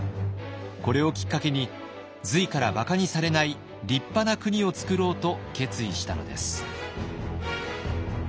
これをきっかけに隋からばかにされない立派な国をつくろうと決意したのです。